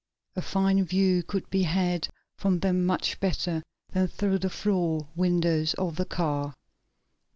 A fine view could be had from them much better than through the floor windows of the car.